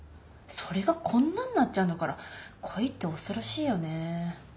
それがこんなんなっちゃうんだから恋って恐ろしいよね。